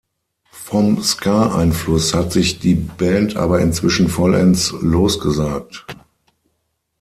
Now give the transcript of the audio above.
Vom Ska-Einfluss hat sich die Band aber inzwischen vollends losgesagt.